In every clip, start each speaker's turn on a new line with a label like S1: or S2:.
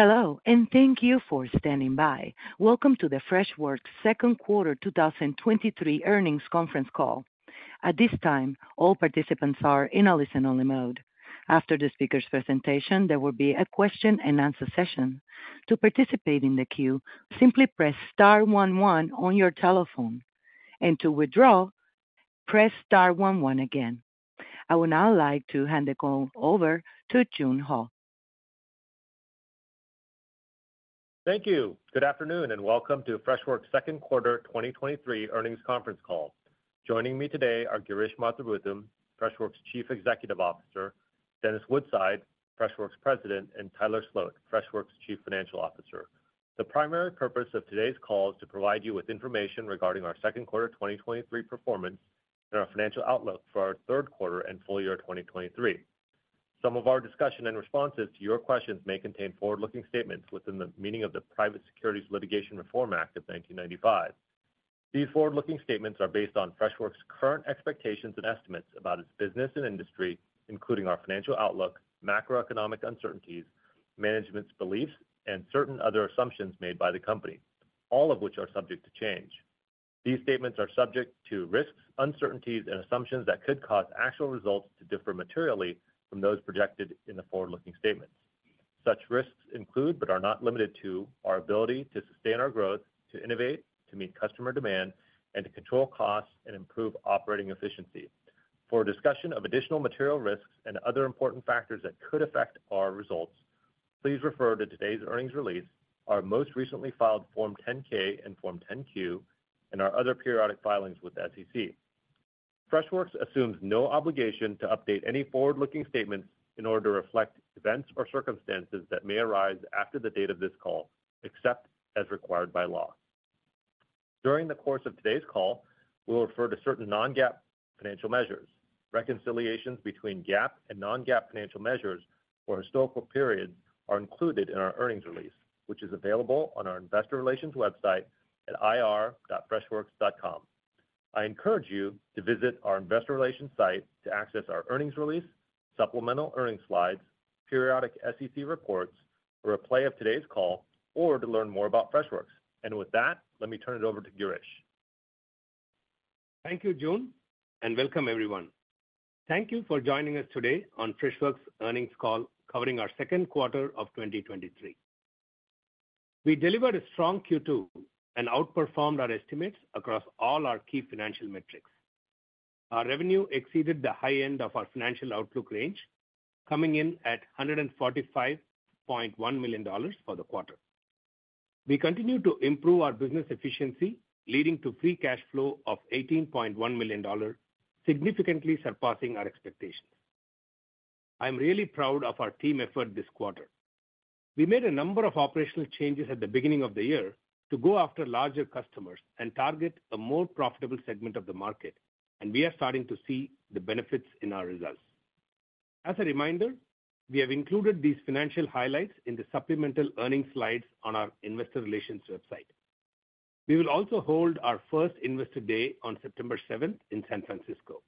S1: Hello, thank you for standing by. Welcome to the Freshworks second quarter 2023 earnings conference call. At this time, all participants are in a listen-only mode. After the speaker's presentation, there will be a question and answer session. To participate in the queue, simply press star one one on your telephone, and to withdraw, press star one one again. I would now like to hand the call over to Joon Huh.
S2: Thank you. Good afternoon, and welcome to Freshworks second quarter 2023 earnings conference call. Joining me today are Girish Mathrubootham, Freshworks Chief Executive Officer; Dennis Woodside, Freshworks President; and Tyler Sloat, Freshworks Chief Financial Officer. The primary purpose of today's call is to provide you with information regarding our second quarter 2023 performance and our financial outlook for our third quarter and full year 2023. Some of our discussion and responses to your questions may contain forward-looking statements within the meaning of the Private Securities Litigation Reform Act of 1995. These forward-looking statements are based on Freshworks' current expectations and estimates about its business and industry, including our financial outlook, macroeconomic uncertainties, management's beliefs, and certain other assumptions made by the company, all of which are subject to change. These statements are subject to risks, uncertainties, and assumptions that could cause actual results to differ materially from those projected in the forward-looking statements. Such risks include, but are not limited to, our ability to sustain our growth, to innovate, to meet customer demand, and to control costs and improve operating efficiency. For a discussion of additional material risks and other important factors that could affect our results, please refer to today's earnings release, our most recently filed Form 10-K and Form 10-Q, and our other periodic filings with the SEC. Freshworks assumes no obligation to update any forward-looking statements in order to reflect events or circumstances that may arise after the date of this call, except as required by law. During the course of today's call, we'll refer to certain non-GAAP financial measures. Reconciliations between GAAP and non-GAAP financial measures for historical periods are included in our earnings release, which is available on our investor relations website at ir.freshworks.com. I encourage you to visit our investor relations site to access our earnings release, supplemental earnings slides, periodic SEC reports, a replay of today's call, or to learn more about Freshworks. With that, let me turn it over to Girish.
S3: Thank you, Joon, welcome everyone. Thank you for joining us today on Freshworks earnings call, covering our second quarter of 2023. We delivered a strong Q2 and outperformed our estimates across all our key financial metrics. Our revenue exceeded the high end of our financial outlook range, coming in at $145.1 million for the quarter. We continue to improve our business efficiency, leading to free cash flow of $18.1 million, significantly surpassing our expectations. I'm really proud of our team effort this quarter. We made a number of operational changes at the beginning of the year to go after larger customers and target a more profitable segment of the market, and we are starting to see the benefits in our results. As a reminder, we have included these financial highlights in the supplemental earnings slides on our investor relations website. We will also hold our first Investor Day on September seventh in San Francisco.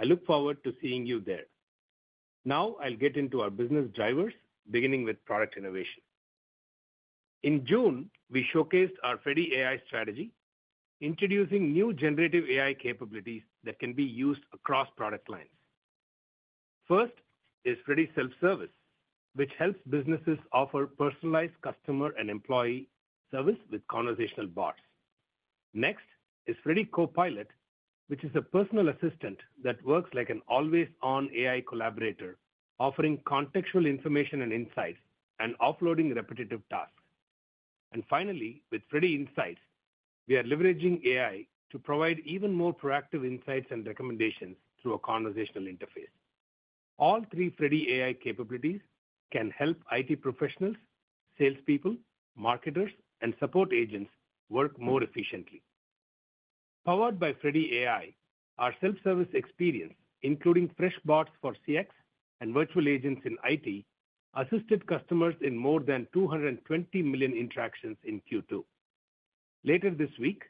S3: I look forward to seeing you there. Now, I'll get into our business drivers, beginning with product innovation. In June, we showcased our Freddy AI strategy, introducing new generative AI capabilities that can be used across product lines. First is Freddy Self-Service, which helps businesses offer personalized customer and employee service with conversational bots. Next is Freddy Copilot, which is a personal assistant that works like an always-on AI collaborator, offering contextual information and insights and offloading repetitive tasks. Finally, with Freddy Insights, we are leveraging AI to provide even more proactive insights and recommendations through a conversational interface. All three Freddy AI capabilities can help IT professionals, salespeople, marketers, and support agents work more efficiently. Powered by Freddy AI, our self-service experience, including Freshbots for CX and virtual agents in IT, assisted customers in more than 220 million interactions in Q2. Later this week,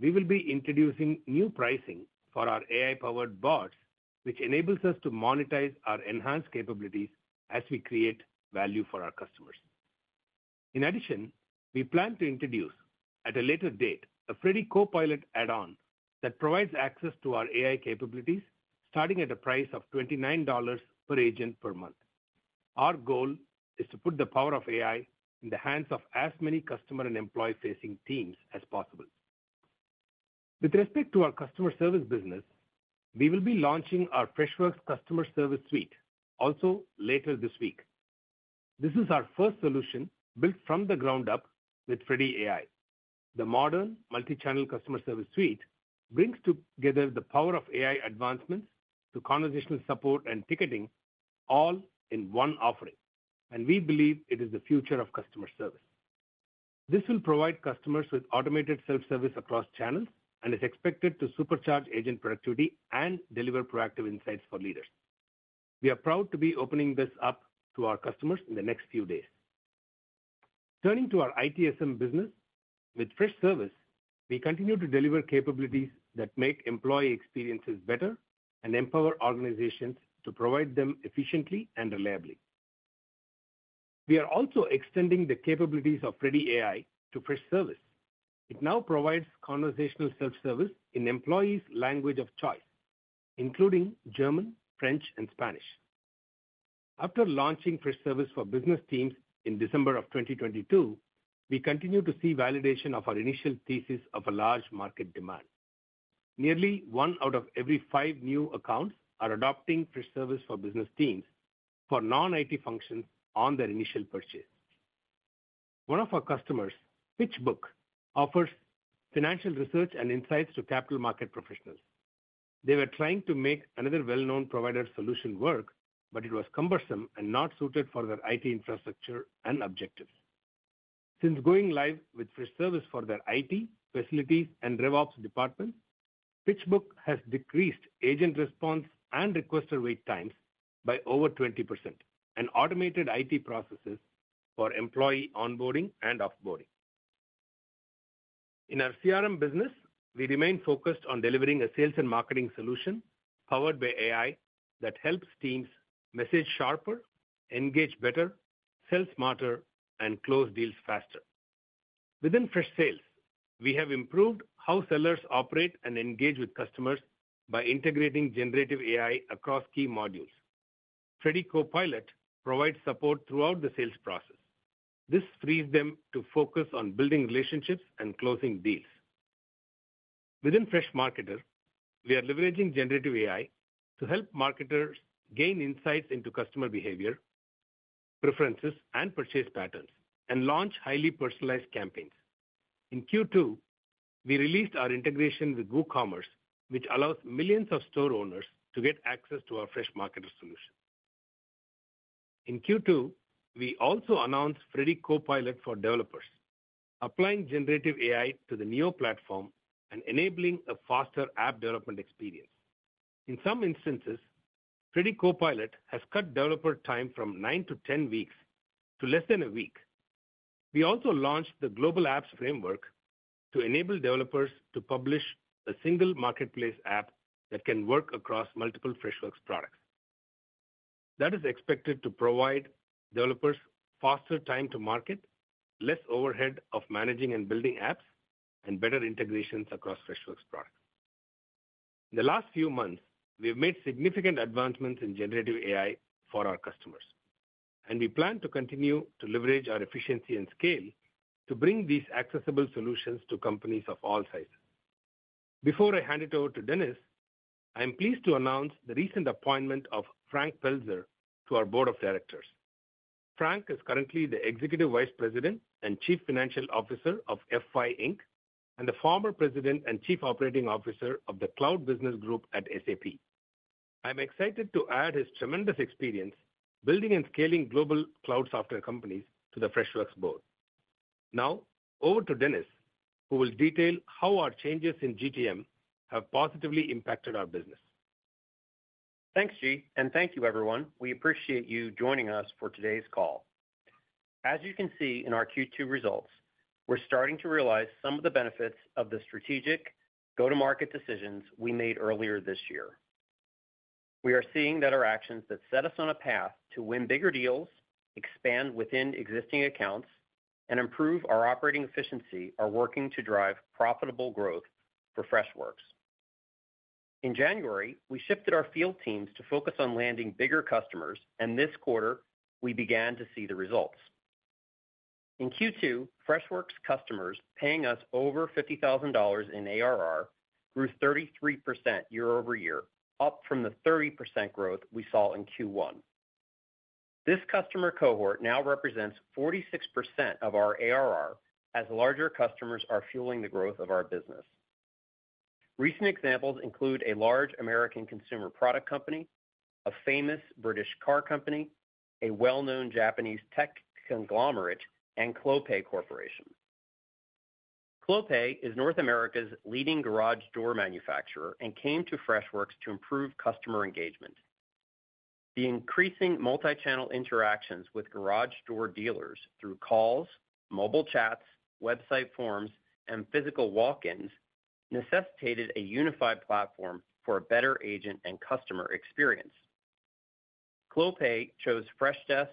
S3: we will be introducing new pricing for our AI-powered bots, which enables us to monetize our enhanced capabilities as we create value for our customers. In addition, we plan to introduce, at a later date, a Freddy Copilot add-on that provides access to our AI capabilities, starting at a price of $29 per agent per month. Our goal is to put the power of AI in the hands of as many customer and employee-facing teams as possible. With respect to our customer service business, we will be launching our Freshworks Customer Service Suite also later this week. This is our first solution built from the ground up with Freddy AI. The modern multi-channel customer service suite brings together the power of AI advancements to conversational support and ticketing, all in one offering, and we believe it is the future of customer service. This will provide customers with automated self-service across channels and is expected to supercharge agent productivity and deliver proactive insights for leaders. We are proud to be opening this up to our customers in the next few days. Turning to our ITSM business, with Freshservice, we continue to deliver capabilities that make employee experiences better and empower organizations to provide them efficiently and reliably. We are also extending the capabilities of Freddy AI to Freshservice. It now provides conversational self-service in employees' language of choice, including German, French, and Spanish. After launching Freshservice for Business Teams in December of 2022, we continue to see validation of our initial thesis of a large market demand. Nearly one out of every five new accounts are adopting Freshservice for Business Teams for non-IT functions on their initial purchase. One of our customers, PitchBook, offers financial research and insights to capital market professionals. They were trying to make another well-known provider solution work, but it was cumbersome and not suited for their IT infrastructure and objectives. Since going live with Freshservice for their IT, facilities, and RevOps department, PitchBook has decreased agent response and requester wait times by over 20%, and automated IT processes for employee onboarding and off-boarding. In our CRM business, we remain focused on delivering a sales and marketing solution powered by AI, that helps teams message sharper, engage better, sell smarter, and close deals faster. Within Freshsales, we have improved how sellers operate and engage with customers by integrating generative AI across key modules. Freddy Copilot provides support throughout the sales process. This frees them to focus on building relationships and closing deals. Within Freshmarketer, we are leveraging generative AI to help marketers gain insights into customer behavior, preferences, and purchase patterns, and launch highly personalized campaigns. In Q2, we released our integration with WooCommerce, which allows millions of store owners to get access to our Freshmarketer solution. In Q2, we also announced Freddy Copilot for developers, applying generative AI to the Neo platform and enabling a faster app development experience. In some instances, Freddy Copilot has cut developer time from 9-10 weeks to less than 1 week. We also launched the Global Apps Framework to enable developers to publish a single marketplace app that can work across multiple Freshworks products. That is expected to provide developers faster time to market, less overhead of managing and building apps, and better integrations across Freshworks products. In the last few months, we have made significant advancements in generative AI for our customers, and we plan to continue to leverage our efficiency and scale to bring these accessible solutions to companies of all sizes. Before I hand it over to Dennis, I am pleased to announce the recent appointment of Frank Pelzer to our board of directors. Frank is currently the Executive Vice President and Chief Financial Officer of F5, Inc., and the former President and Chief Operating Officer of the Cloud Business Group at SAP. I'm excited to add his tremendous experience building and scaling global cloud software companies to the Freshworks board. Now, over to Dennis, who will detail how our changes in GTM have positively impacted our business.
S4: Thanks, G, thank you, everyone. We appreciate you joining us for today's call. As you can see in our Q2 results, we're starting to realize some of the benefits of the strategic go-to-market decisions we made earlier this year. We are seeing that our actions that set us on a path to win bigger deals, expand within existing accounts, and improve our operating efficiency, are working to drive profitable growth for Freshworks. In January, we shifted our field teams to focus on landing bigger customers, this quarter, we began to see the results. In Q2, Freshworks customers paying us over $50,000 in ARR grew 33% year-over-year, up from the 30% growth we saw in Q1. This customer cohort now represents 46% of our ARR, as larger customers are fueling the growth of our business. Recent examples include a large American consumer product company, a famous British car company, a well-known Japanese tech conglomerate, and Clopay Corporation. Clopay is North America's leading garage door manufacturer and came to Freshworks to improve customer engagement. The increasing multi-channel interactions with garage door dealers through calls, mobile chats, website forms, and physical walk-ins, necessitated a unified platform for a better agent and customer experience. Clopay chose Freshdesk,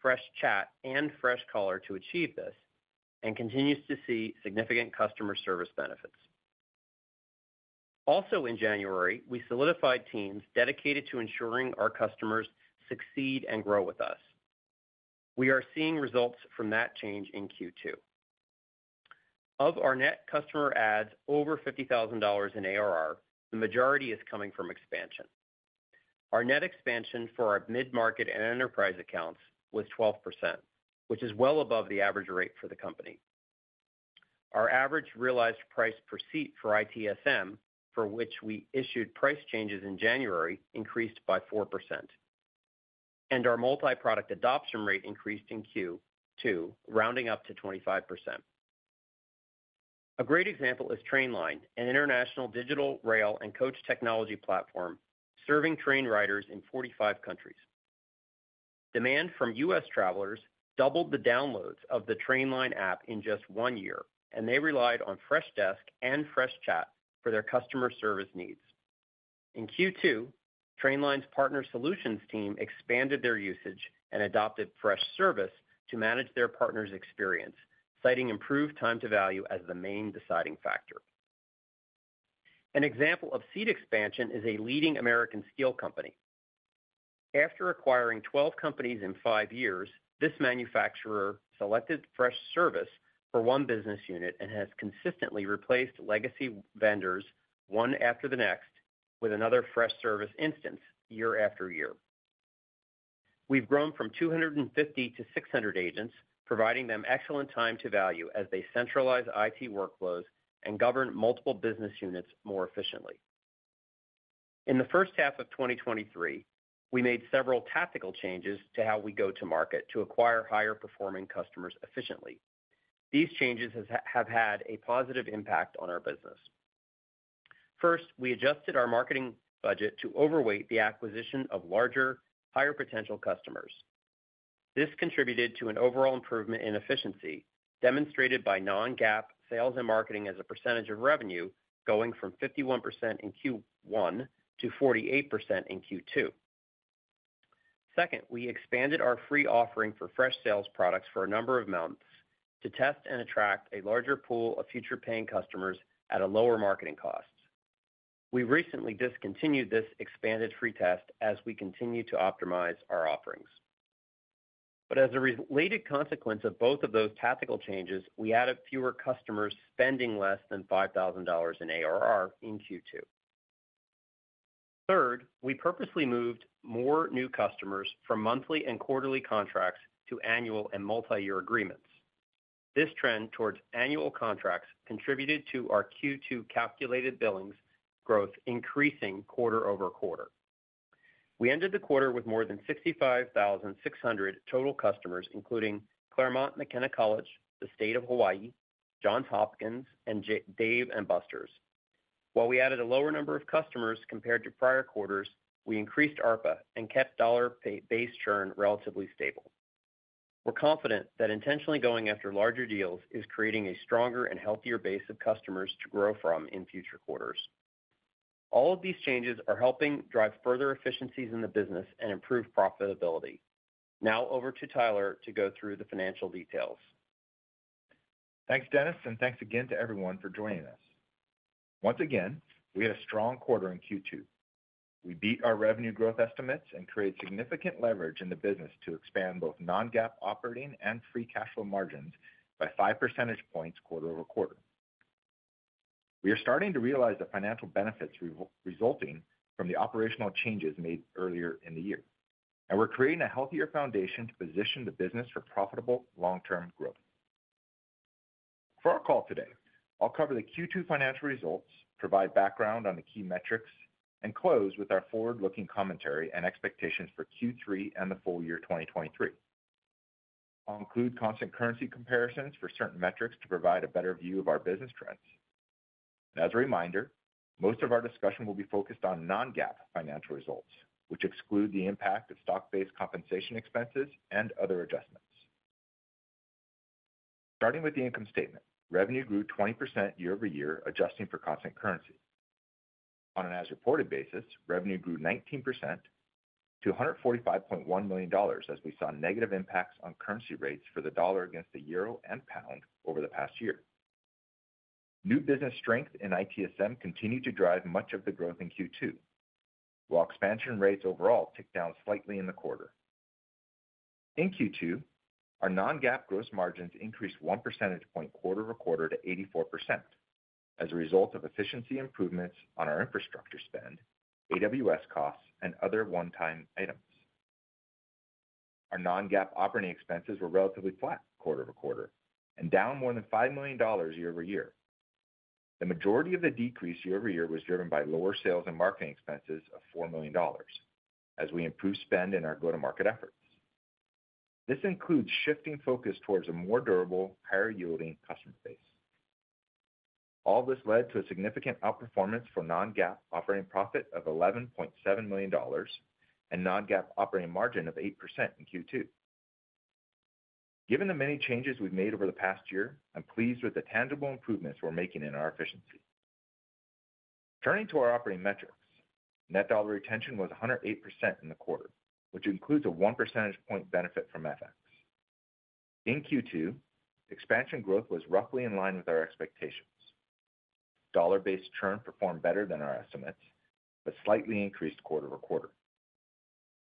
S4: Freshchat, and Freshcaller to achieve this, and continues to see significant customer service benefits. In January, we solidified teams dedicated to ensuring our customers succeed and grow with us. We are seeing results from that change in Q2. Of our net customer adds over $50,000 in ARR, the majority is coming from expansion. Our net expansion for our mid-market and enterprise accounts was 12%, which is well above the average rate for the company. Our average realized price per seat for ITSM, for which we issued price changes in January, increased by 4%, and our multi-product adoption rate increased in Q2, rounding up to 25%. A great example is Trainline, an international digital rail and coach technology platform, serving train riders in 45 countries. Demand from U.S. travelers doubled the downloads of the Trainline app in just one year, and they relied on Freshdesk and Freshchat for their customer service needs. In Q2, Trainline's Partner Solutions team expanded their usage and adopted Freshservice to manage their partners' experience, citing improved time to value as the main deciding factor. An example of seat expansion is a leading American steel company. After acquiring 12 companies in 5 years, this manufacturer selected Freshservice for one business unit and has consistently replaced legacy vendors, one after the next, with another Freshservice instance year after year. We've grown from 250-600 agents, providing them excellent time to value as they centralize IT workflows and govern multiple business units more efficiently. In the first half of 2023, we made several tactical changes to how we go to market to acquire higher-performing customers efficiently. These changes has have had a positive impact on our business. First, we adjusted our marketing budget to overweight the acquisition of larger, higher potential customers. This contributed to an overall improvement in efficiency, demonstrated by non-GAAP sales and marketing as a percentage of revenue, going from 51% in Q1-48% in Q2. Second, we expanded our free offering for Freshsales products for a number of months to test and attract a larger pool of future paying customers at a lower marketing cost. We recently discontinued this expanded free test as we continue to optimize our offerings. As a related consequence of both of those tactical changes, we added fewer customers spending less than $5,000 in ARR in Q2. Third, we purposely moved more new customers from monthly and quarterly contracts to annual and multi-year agreements. This trend towards annual contracts contributed to our Q2 calculated billings growth increasing quarter-over-quarter. We ended the quarter with more than 65,600 total customers, including Claremont McKenna College, the State of Hawaii, Johns Hopkins, and Dave & Buster's. While we added a lower number of customers compared to prior quarters, we increased ARPA and kept dollar base churn relatively stable. We're confident that intentionally going after larger deals is creating a stronger and healthier base of customers to grow from in future quarters. All of these changes are helping drive further efficiencies in the business and improve profitability. Now over to Tyler to go through the financial details.
S5: Thanks, Dennis. Thanks again to everyone for joining us. Once again, we had a strong quarter in Q2. We beat our revenue growth estimates and created significant leverage in the business to expand both non-GAAP operating and free cash flow margins by 5 percentage points quarter-over-quarter. We are starting to realize the financial benefits resulting from the operational changes made earlier in the year, and we're creating a healthier foundation to position the business for profitable long-term growth. For our call today, I'll cover the Q2 financial results, provide background on the key metrics, and close with our forward-looking commentary and expectations for Q3 and the full year 2023. I'll include constant currency comparisons for certain metrics to provide a better view of our business trends. As a reminder, most of our discussion will be focused on non-GAAP financial results, which exclude the impact of stock-based compensation expenses and other adjustments. Starting with the income statement, revenue grew 20% year-over-year, adjusting for constant currency. On an as-reported basis, revenue grew 19% to $145.1 million, as we saw negative impacts on currency rates for the dollar against the euro and pound over the past year. New business strength in ITSM continued to drive much of the growth in Q2, while expansion rates overall ticked down slightly in the quarter. In Q2, our non-GAAP gross margins increased 1 percentage point quarter-over-quarter to 84% as a result of efficiency improvements on our infrastructure spend, AWS costs, and other one-time items. Our non-GAAP operating expenses were relatively flat quarter-over-quarter and down more than $5 million year-over-year. The majority of the decrease year-over-year was driven by lower sales and marketing expenses of $4 million, as we improved spend in our go-to-market efforts. This includes shifting focus towards a more durable, higher-yielding customer base. This led to a significant outperformance for non-GAAP operating profit of $11.7 million and non-GAAP operating margin of 8% in Q2. Given the many changes we've made over the past year, I'm pleased with the tangible improvements we're making in our efficiency. Turning to our operating metrics, net dollar retention was 108% in the quarter, which includes a 1 percentage point benefit from FX. In Q2, expansion growth was roughly in line with our expectations. Dollar-based churn performed better than our estimates, but slightly increased quarter-over-quarter.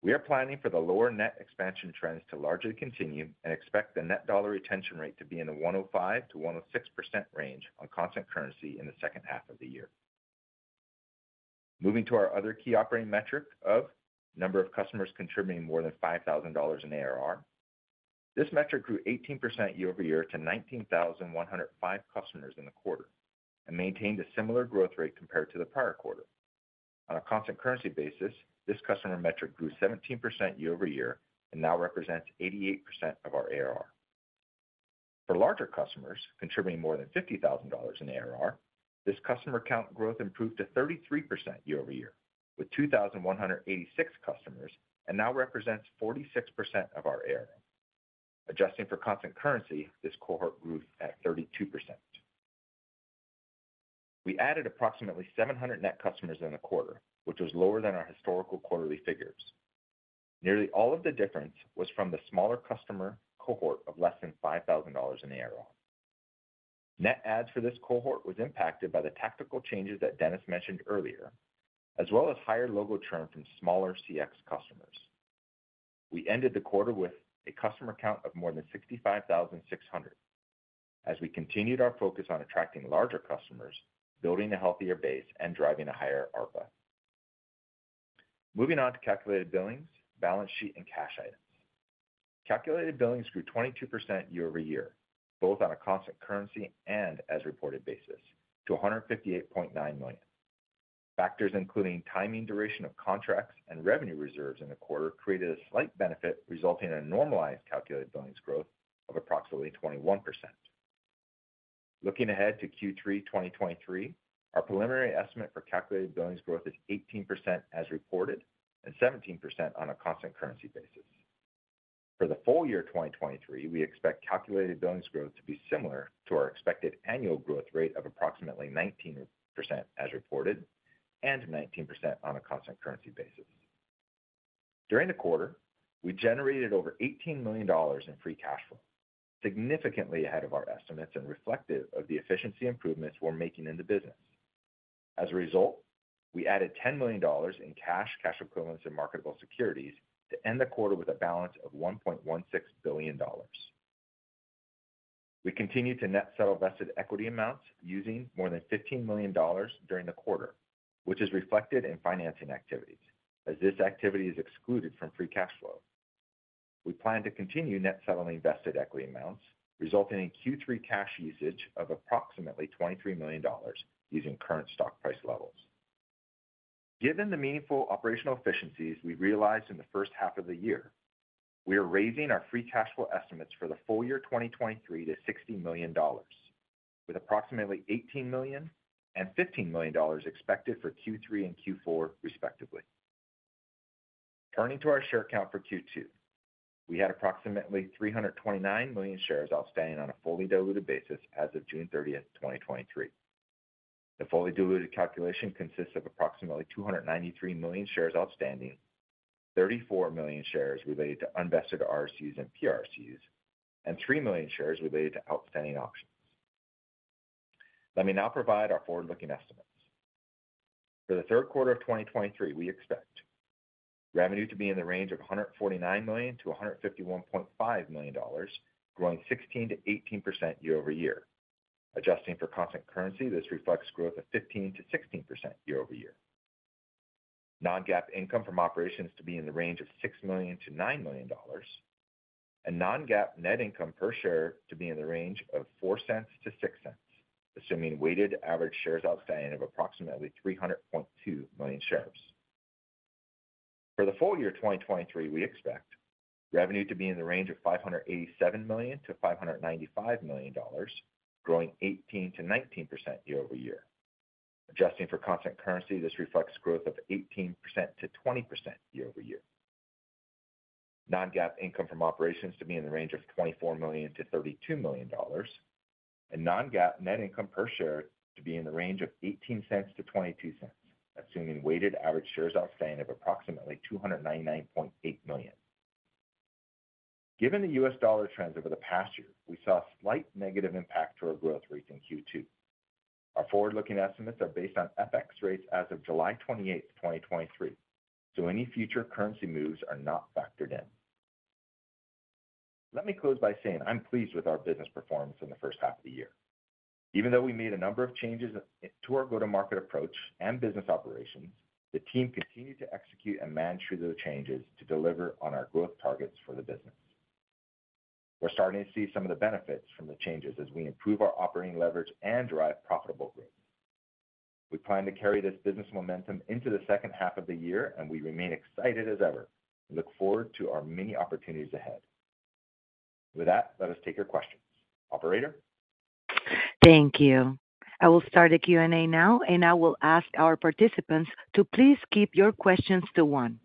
S5: We are planning for the lower net expansion trends to largely continue and expect the net dollar retention rate to be in the 105%-106% range on constant currency in the second half of the year. Moving to our other key operating metric of number of customers contributing more than $5,000 in ARR. This metric grew 18% year-over-year to 19,105 customers in the quarter, and maintained a similar growth rate compared to the prior quarter. On a constant currency basis, this customer metric grew 17% year-over-year and now represents 88% of our ARR. For larger customers, contributing more than $50,000 in ARR, this customer count growth improved to 33% year-over-year, with 2,186 customers, and now represents 46% of our ARR. Adjusting for constant currency, this cohort grew at 32%. We added approximately 700 net customers in the quarter, which was lower than our historical quarterly figures. Nearly all of the difference was from the smaller customer cohort of less than $5,000 in the ARR. Net adds for this cohort was impacted by the tactical changes that Dennis mentioned earlier, as well as higher logo churn from smaller CX customers. We ended the quarter with a customer count of more than 65,600, as we continued our focus on attracting larger customers, building a healthier base, and driving a higher ARPA. Moving on to calculated billings, balance sheet and cash items. Calculated billings grew 22% year-over-year, both on a constant currency and as reported basis, to $158.9 million. Factors including timing, duration of contracts, and revenue reserves in the quarter created a slight benefit, resulting in a normalized calculated billings growth of approximately 21%. Looking ahead to Q3 2023, our preliminary estimate for calculated billings growth is 18% as reported, and 17% on a constant currency basis. For the full year 2023, we expect calculated billings growth to be similar to our expected annual growth rate of approximately 19% as reported, and 19% on a constant currency basis. During the quarter, we generated over $18 million in free cash flow, significantly ahead of our estimates and reflective of the efficiency improvements we're making in the business. As a result, we added $10 million in cash, cash equivalents, and marketable securities to end the quarter with a balance of $1.16 billion. We continued to net settle vested equity amounts, using more than $15 million during the quarter, which is reflected in financing activities, as this activity is excluded from free cash flow. We plan to continue net settling vested equity amounts, resulting in Q3 cash usage of approximately $23 million, using current stock price levels. Given the meaningful operational efficiencies we realized in the first half of the year, we are raising our free cash flow estimates for the full year 2023 to $60 million, with approximately $18 million and $15 million expected for Q3 and Q4, respectively. Turning to our share count for Q2. We had approximately 329 million shares outstanding on a fully diluted basis as of June 30th, 2023. The fully diluted calculation consists of approximately 293 million shares outstanding, 34 million shares related to unvested RSU and PRSU, and 3 million shares related to outstanding options. Let me now provide our forward-looking estimates. For the 3rd quarter of 2023, we expect revenue to be in the range of $149 million-$151.5 million, growing 16%-18% year-over-year. Adjusting for constant currency, this reflects growth of 15%-16% year-over-year. Non-GAAP income from operations to be in the range of $6 million-$9 million, and non-GAAP net income per share to be in the range of $0.04-$0.06, assuming weighted average shares outstanding of approximately 300.2 million shares. For the full year 2023, we expect revenue to be in the range of $587 million-$595 million, growing 18%-19% year-over-year. Adjusting for constant currency, this reflects growth of 18%-20% year-over-year. Non-GAAP income from operations to be in the range of $24 million-$32 million, and non-GAAP net income per share to be in the range of $0.18-$0.22, assuming weighted average shares outstanding of approximately 299.8 million. Given the US dollar trends over the past year, we saw a slight negative impact to our growth rates in Q2. Our forward-looking estimates are based on FX rates as of July 28, 2023. Any future currency moves are not factored in. Let me close by saying I'm pleased with our business performance in the first half of the year. Even though we made a number of changes to our go-to-market approach and business operations, the team continued to execute and manage through those changes to deliver on our growth targets for the business. We're starting to see some of the benefits from the changes as we improve our operating leverage and drive profitable growth. We plan to carry this business momentum into the second half of the year. We remain excited as ever. We look forward to our many opportunities ahead. With that, let us take your questions. Operator?
S1: Thank you. I will start the Q&A now, and I will ask our participants to please keep your questions to one.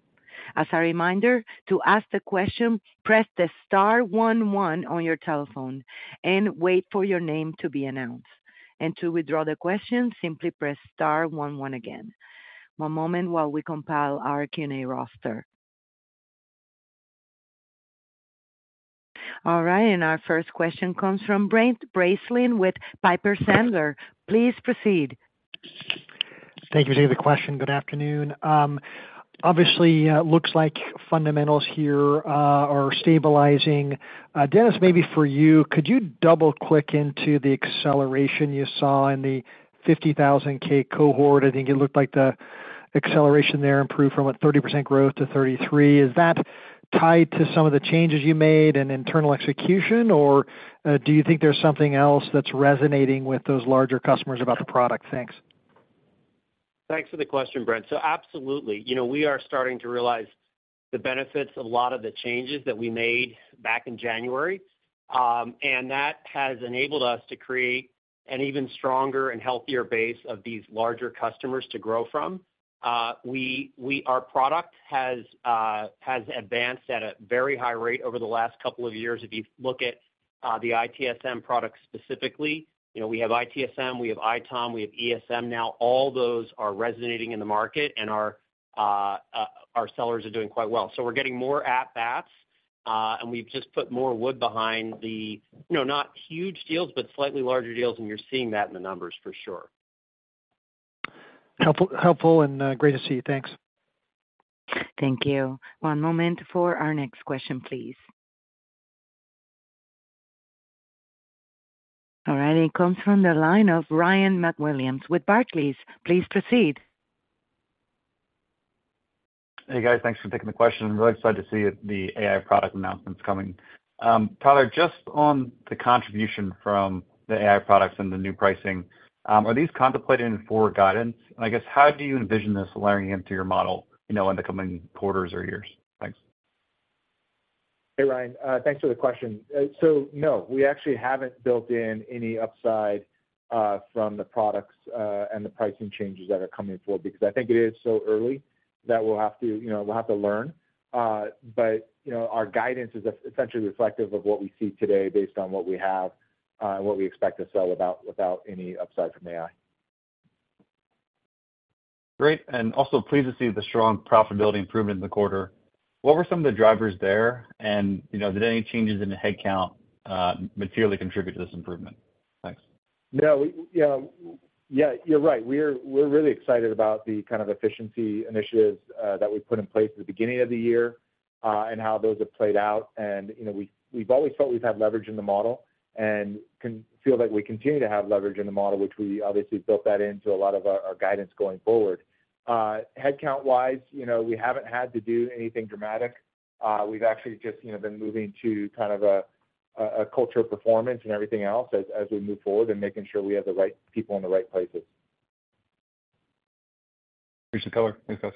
S1: As a reminder, to ask the question, press the star one one on your telephone and wait for your name to be announced. To withdraw the question, simply press star one one again. One moment while we compile our Q&A roster. All right, our first question comes from Brent Bracelin with Piper Sandler. Please proceed.
S6: Thank you. David, question. Good afternoon. Obviously, looks like fundamentals here are stabilizing. Dennis, maybe for you, could you double-click into the acceleration you saw in the 50,000 K cohort? I think it looked like the acceleration there improved from a 30% growth to 33. Is that tied to some of the changes you made in internal execution, or do you think there's something else that's resonating with those larger customers about the product? Thanks.
S3: Thanks for the question, Brent. Absolutely, you know, we are starting to realize the benefits of a lot of the changes that we made back in January. And that has enabled us to create an even stronger and healthier base of these larger customers to grow from. Our product has advanced at a very high rate over the last 2 years. If you look at the ITSM product specifically, you know, we have ITSM, we have ITOM, we have ESM now. All those are resonating in the market, and our sellers are doing quite well. We're getting more at bats, and we've just put more wood behind the, you know, not huge deals, but slightly larger deals, and you're seeing that in the numbers for sure.
S6: Helpful, helpful, and great to see you. Thanks.
S1: Thank you. One moment for our next question, please. It comes from the line of Ryan MacWilliams with Barclays. Please proceed.
S7: Hey, guys. Thanks for taking the question. I'm really excited to see the AI product announcements coming. Tyler, just on the contribution from the AI products and the new pricing, are these contemplated in for guidance? I guess, how do you envision this layering into your model, you know, in the coming quarters or years? Thanks.
S5: Hey, Ryan, thanks for the question. No, we actually haven't built in any upside, from the products, and the pricing changes that are coming forward, because I think it is so early that we'll have to, you know, we'll have to learn. You know, our guidance is essentially reflective of what we see today based on what we have, and what we expect to sell without, without any upside from AI.
S7: Great, also pleased to see the strong profitability improvement in the quarter. What were some of the drivers there? You know, did any changes in the headcount, materially contribute to this improvement? Thanks.
S5: No, we, yeah, yeah, you're right. We're really excited about the kind of efficiency initiatives that we put in place at the beginning of the year and how those have played out. You know, we've always felt we've had leverage in the model and can feel like we continue to have leverage in the model, which we obviously built that into a lot of our guidance going forward. Headcount-wise, you know, we haven't had to do anything dramatic. We've actually just, you know, been moving to kind of a culture of performance and everything else as we move forward and making sure we have the right people in the right places.
S7: Appreciate the color. Thanks, guys.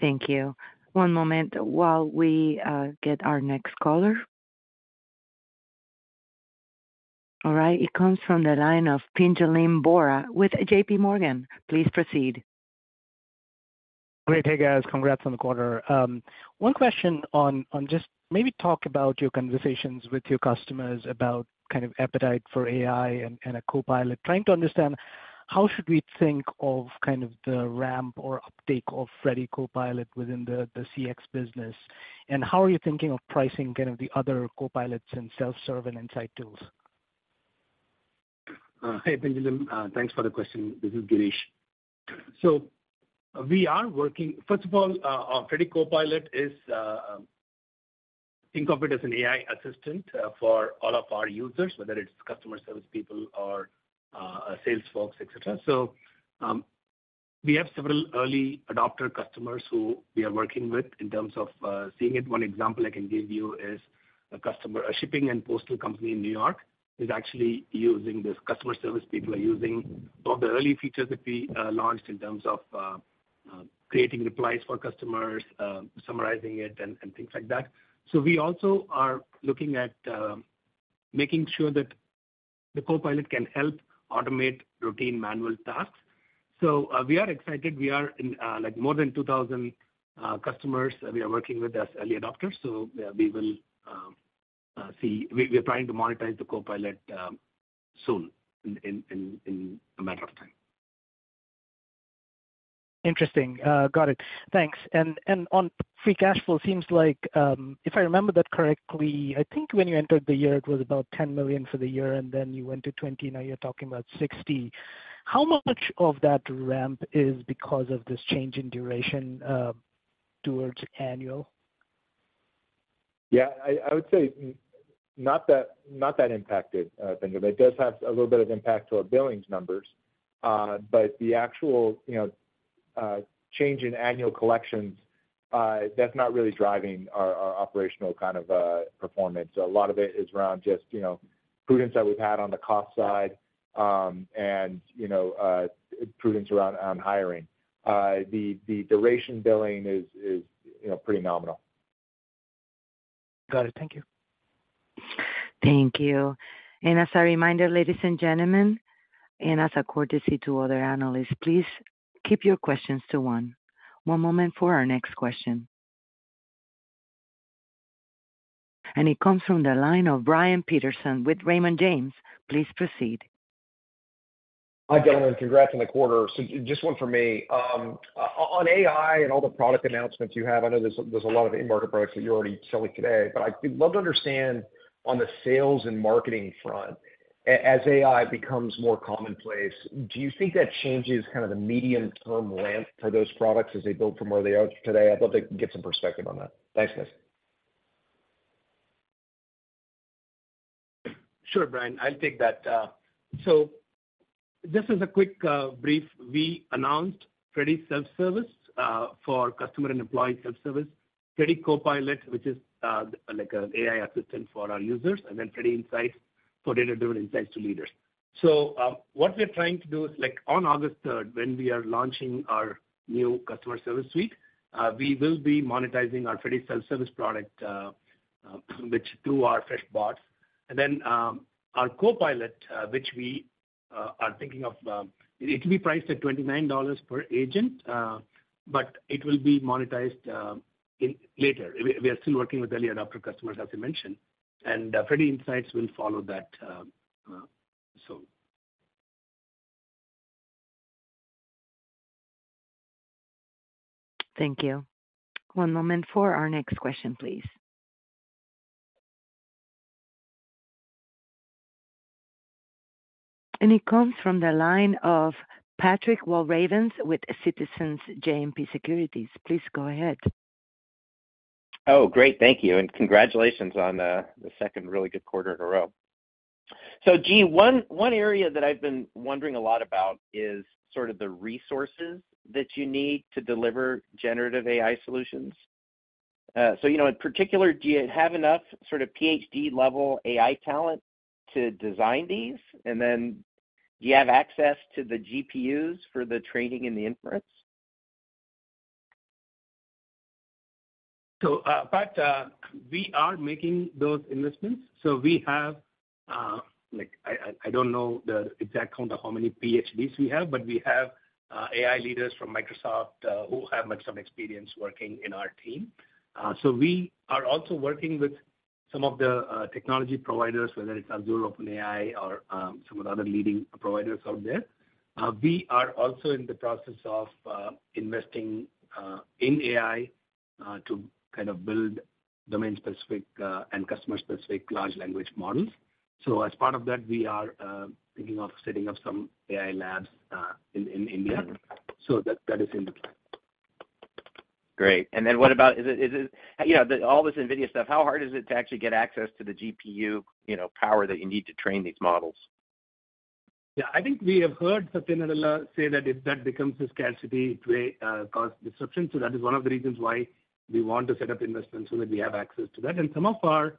S1: Thank you. One moment while we get our next caller. All right, it comes from the line of Pinjalim Bora with JPMorgan. Please proceed.
S8: Great. Hey, guys, congrats on the quarter. One question on just maybe talk about your conversations with your customers about kind of appetite for AI and a copilot. Trying to understand, how should we think of kind of the ramp or uptake of Freddy Copilot within the CX business, and how are you thinking of pricing kind of the other copilots and self-serve and insight tools?
S3: Hi, Pinjalim. Thanks for the question. This is Girish. We are working. First of all, our Freddy Copilot is think of it as an AI assistant for all of our users, whether it's customer service people or sales folks, etcetera. We have several early adopter customers who we are working with in terms of seeing it. One example I can give you is a customer, a shipping and postal company in New York, is actually using this. Customer service people are using some of the early features that we launched in terms of creating replies for customers, summarizing it and things like that. We also are looking at making sure that the copilot can help automate routine manual tasks. We are excited. We are in, like more than 2,000 customers we are working with as early adopters. We will see. We're trying to monetize the Copilot, soon, in a matter of time.
S8: Interesting. Got it. Thanks. On free cash flow, seems like, if I remember that correctly, I think when you entered the year, it was about $10 million for the year, and then you went to $20 million, now you're talking about $60 million. How much of that ramp is because of this change in duration, towards annual?
S5: Yeah, I, I would say not that, not that impacted, Pinjalim. It does have a little bit of impact to our billings numbers, but the actual, you know, change in annual collections, that's not really driving our, our operational kind of, performance. A lot of it is around just, you know, prudence that we've had on the cost side, and, you know, prudence around on hiring. The, the duration billing is, is, you know, pretty nominal.
S8: Got it. Thank you.
S1: Thank you. As a reminder, ladies and gentlemen, and as a courtesy to other analysts, please keep your questions to 1. One moment for our next question. It comes from the line of Brian Peterson with Raymond James. Please proceed.
S9: Hi, gentlemen, congrats on the quarter. Just one for me. On AI and all the product announcements you have, I know there's, there's a lot of in-market products that you're already selling today, but I'd love to understand on the sales and marketing front, as AI becomes more commonplace, do you think that changes kind of the medium-term ramp for those products as they build from where they are today? I'd love to get some perspective on that. Thanks, guys.
S3: Sure, Brian, I'll take that. So just as a quick, brief, we announced Freddy Self-Service for customer and employee self-service. Freddy Copilot, which is like an AI assistant for our users, and then Freddy Insights for data-driven insights to leaders. What we are trying to do is, like, on August 3rd, when we are launching our new Freshworks Customer Service Suite, we will be monetizing our Freddy Self-Service product, which through our Freshbots. Our Copilot, which we are thinking of, it'll be priced at $29 per agent, but it will be monetized in later. We, we are still working with early adopter customers, as I mentioned, and Freddy Insights will follow that.
S1: Thank you. One moment for our next question, please. It comes from the line of Patrick Walravens with Citizens JMP Securities. Please go ahead.
S10: Oh, great, thank you, and congratulations on the second really good quarter in a row. G, one, one area that I've been wondering a lot about is sort of the resources that you need to deliver generative AI solutions. You know, in particular, do you have enough sort of PhD level AI talent to design these? Then do you have access to the GPUs for the training and the inference?
S3: Pat, we are making those investments. We have, like I, I, I don't know the exact count of how many PhDs we have, but we have AI leaders from Microsoft who have some experience working in our team. We are also working with some of the technology providers, whether it's Azure, OpenAI, or some of the other leading providers out there. We are also in the process of investing in AI to kind of build domain-specific and customer-specific large language models. As part of that, we are thinking of setting up some AI labs in, in India. That, that is in the plan.
S10: Great. Then what about... Is it, you know, all this NVIDIA stuff, how hard is it to actually get access to the GPU, you know, power that you need to train these models?
S3: Yeah. I think we have heard Satya Nadella say that if that becomes a scarcity, it may cause disruption. That is one of the reasons why we want to set up investments, so that we have access to that. Some of our,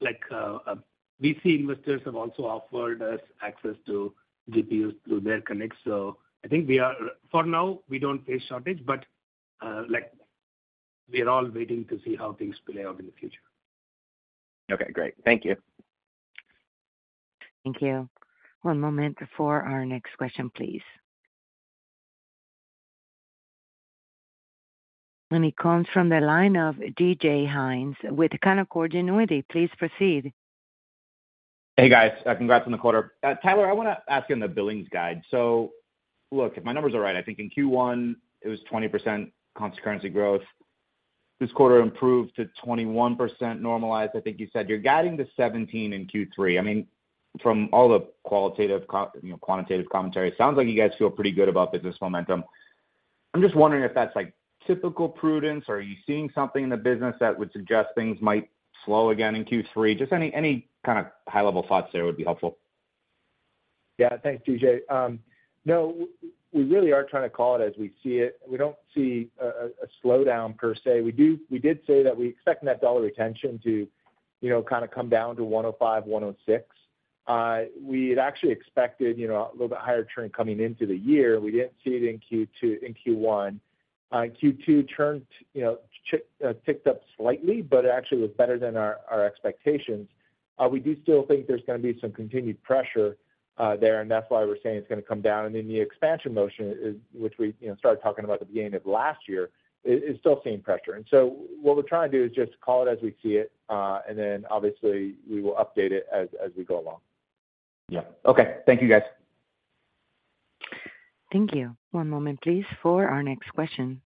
S3: like, VC investors have also offered us access to GPUs through their connects. I think we are... For now, we don't face shortage, but, like, we are all waiting to see how things play out in the future.
S10: Okay, great. Thank you.
S1: Thank you. One moment before our next question, please. It comes from the line of DJ Hynes with Canaccord Genuity. Please proceed.
S11: Hey, guys, congrats on the quarter. Tyler, I wanna ask you on the billings guide. Look, if my numbers are right, I think in Q1 it was 20% const currency growth. This quarter improved to 21% normalized. I think you said you're guiding to 17% in Q3. I mean, from all the qualitative, you know, quantitative commentary, it sounds like you guys feel pretty good about business momentum. I'm just wondering if that's, like, typical prudence, or are you seeing something in the business that would suggest things might slow again in Q3? Just any, any kind of high-level thoughts there would be helpful.
S5: Yeah. Thanks, DJ. No, we really are trying to call it as we see it. We don't see a, a, a slowdown per se. We did say that we expect Net dollar retention to, you know, kind of come down to 105%-106%. We had actually expected, you know, a little bit higher trend coming into the year, and we didn't see it in Q2, in Q1. Q2 turned, you know, ticked up slightly, but it actually was better than our expectations. We do still think there's gonna be some continued pressure there, and that's why we're saying it's gonna come down. The expansion motion is, which we, you know, started talking about at the beginning of last year, is still seeing pressure. So what we're trying to do is just call it as we see it, and then obviously we will update it as, as we go along.
S11: Yeah. Okay. Thank you, guys.
S1: Thank you. One moment, please, for our next question.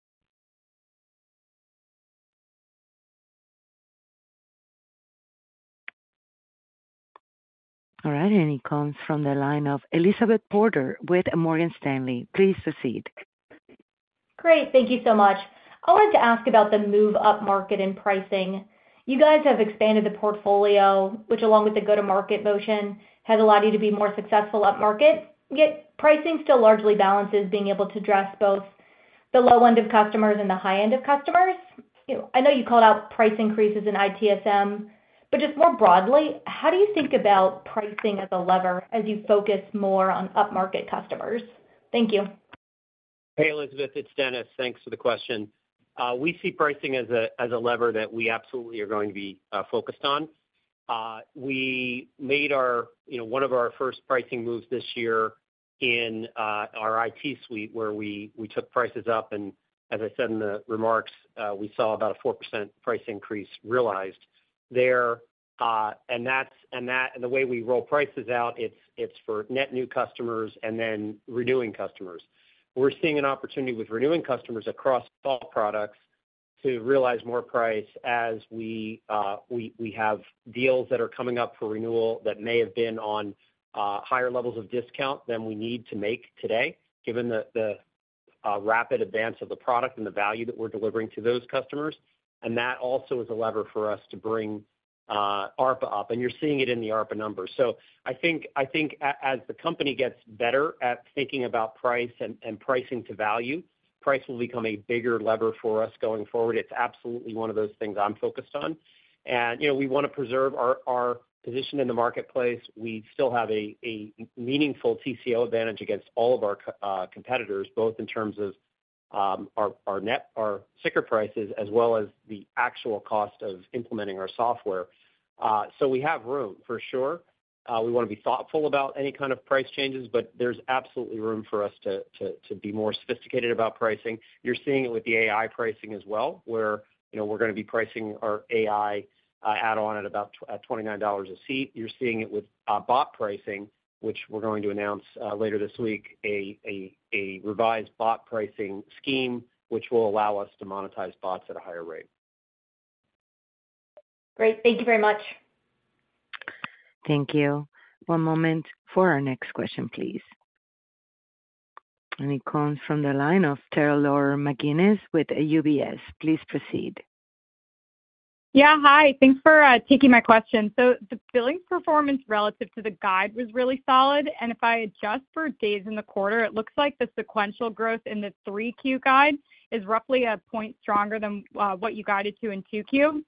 S1: All right, it comes from the line of Elizabeth Porter with Morgan Stanley. Please proceed.
S12: Great. Thank you so much. I wanted to ask about the move-up market and pricing. You guys have expanded the portfolio, which, along with the go-to-market motion, has allowed you to be more successful upmarket, yet pricing still largely balances, being able to address both the low end of customers and the high end of customers. You know, I know you called out price increases in ITSM, but just more broadly, how do you think about pricing as a lever as you focus more on upmarket customers? Thank you.
S4: Hey, Elizabeth, it's Dennis. Thanks for the question. We see pricing as a lever that we absolutely are going to be focused on. We made our, you know, 1 of our first pricing moves this year in our IT suite, where we took prices up, and as I said in the remarks, we saw about a 4% price increase realized there. The way we roll prices out, it's for net new customers and then renewing customers. We're seeing an opportunity with renewing customers across all products to realize more price as we have deals that are coming up for renewal that may have been on higher levels of discount than we need to make today, given the... rapid advance of the product and the value that we're delivering to those customers, and that also is a lever for us to bring ARPA up, and you're seeing it in the ARPA numbers. I think, I think as the company gets better at thinking about price and, and pricing to value, price will become a bigger lever for us going forward. It's absolutely one of those things I'm focused on. You know, we want to preserve our, our position in the marketplace. We still have a, a meaningful TCO advantage against all of our competitors, both in terms of, our, our net, our sticker prices, as well as the actual cost of implementing our software. We have room for sure. We want to be thoughtful about any kind of price changes, but there's absolutely room for us to, to, to be more sophisticated about pricing. You're seeing it with the AI pricing as well, where, you know, we're going to be pricing our AI add-on at about at $29 a seat. You're seeing it with bot pricing, which we're going to announce later this week, a revised bot pricing scheme, which will allow us to monetize bots at a higher rate.
S12: Great. Thank you very much.
S1: Thank you. One moment for our next question, please. It comes from the line of Taylor McGinnis with UBS. Please proceed.
S13: Yeah, hi. Thanks for taking my question. The billing performance relative to the guide was really solid, and if I adjust for days in the quarter, it looks like the sequential growth in the 3Q guide is roughly a point stronger than what you guided to in 2Q.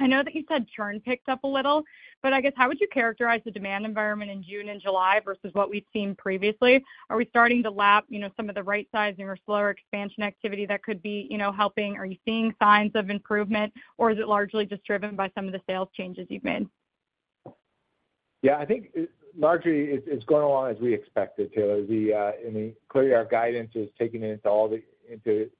S13: I know that you said churn picked up a little, I guess, how would you characterize the demand environment in June and July versus what we've seen previously? Are we starting to lap, you know, some of the right sizing or slower expansion activity that could be, you know, helping? Are you seeing signs of improvement, or is it largely just driven by some of the sales changes you've made?
S5: Yeah, I think largely it's, it's going along as we expected, Taylor. I mean, clearly, our guidance is taking into all the, into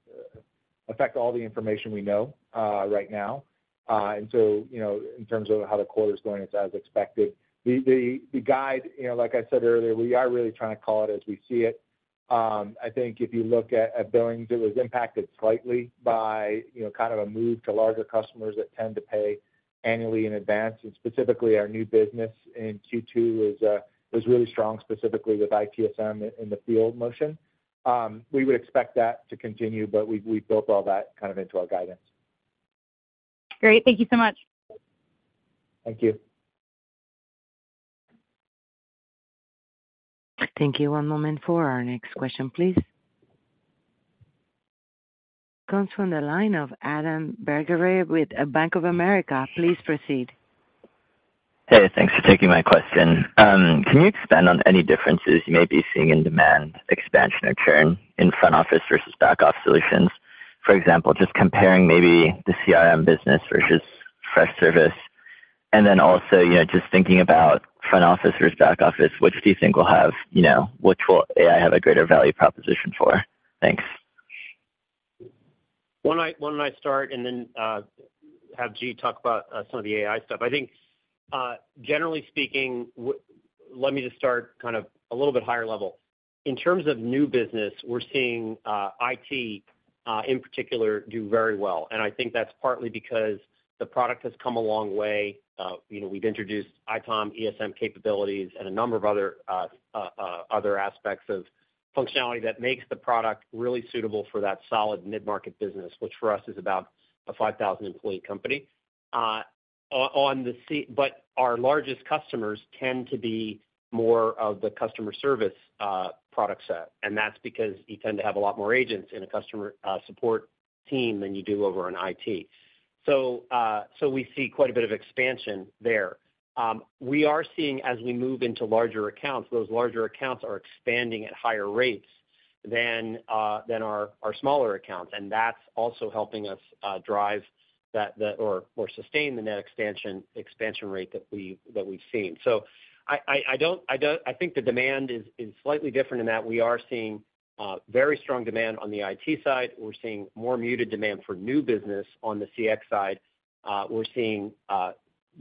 S5: affect all the information we know right now. So, you know, in terms of how the quarter is going, it's as expected. The guide, you know, like I said earlier, we are really trying to call it as we see it. I think if you look at billings, it was impacted slightly by, you know, kind of a move to larger customers that tend to pay annually in advance, and specifically our new business in Q2 was really strong, specifically with ITSM in the field motion. We would expect that to continue, but we've built all that kind of into our guidance.
S13: Great. Thank you so much.
S5: Thank you.
S1: Thank you. One moment for our next question, please. Comes from the line of Adam Berg with Bank of America. Please proceed.
S14: Hey, thanks for taking my question. Can you expand on any differences you may be seeing in demand expansion or churn in front office versus back office solutions? For example, just comparing maybe the CRM business versus Freshservice, and then also, you know, just thinking about front office versus back office, which do you think will have, you know, which will AI have a greater value proposition for? Thanks.
S4: Why don't I, why don't I start and then have G talk about some of the AI stuff? I think, generally speaking, let me just start kind of a little bit higher level. In terms of new business, we're seeing IT in particular do very well, and I think that's partly because the product has come a long way. You know, we've introduced ITOM, ESM capabilities, and a number of other aspects of functionality that makes the product really suitable for that solid mid-market business, which for us is about a 5,000 employee company. Our largest customers tend to be more of the customer service product set, and that's because you tend to have a lot more agents in a customer support team than you do over in IT. We see quite a bit of expansion there. We are seeing as we move into larger accounts, those larger accounts are expanding at higher rates than our, our smaller accounts, and that's also helping us drive that, the, or, or sustain the net expansion, expansion rate that we, that we've seen. I, I, I don't, I don't, I think the demand is, is slightly different in that we are seeing very strong demand on the IT side. We're seeing more muted demand for new business on the CX side. We're seeing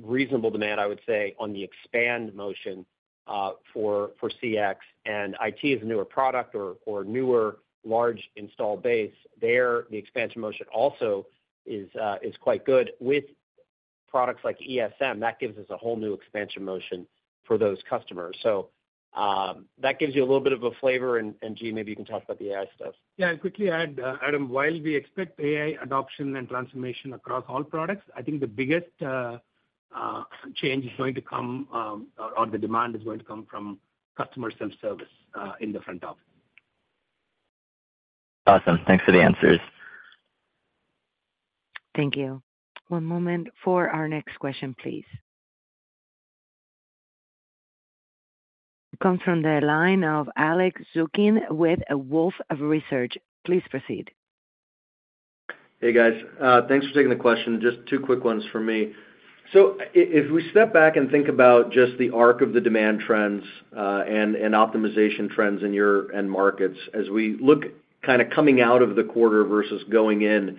S4: reasonable demand, I would say, on the expand motion, for, for CX and IT is a newer product or, or newer large install base. There, the expansion motion also is quite good. With products like ESM, that gives us a whole new expansion motion for those customers. That gives you a little bit of a flavor, and G, maybe you can talk about the AI stuff.
S3: Yeah, quickly add, Adam, while we expect AI adoption and transformation across all products, I think the biggest change is going to come, or the demand is going to come from customer self-service, in the front office.
S14: Awesome. Thanks for the answers.
S1: Thank you. One moment for our next question, please. Comes from the line of Alex Zukin with Wolfe Research. Please proceed.
S15: Hey, guys. Thanks for taking the question. Just two quick ones for me. If we step back and think about just the arc of the demand trends, and optimization trends in your end markets, as we look kind of coming out of the quarter versus going in, you